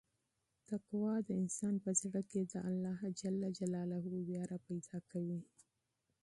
تقوا د انسان په زړه کې د الله وېره پیدا کوي.